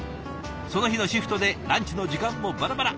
その日のシフトでランチの時間もバラバラ。